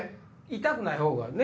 痛くないほうがね。